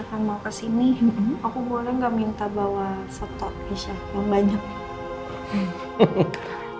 pak kalau misalkan mau kesini aku boleh gak minta bawa setot keisha yang banyak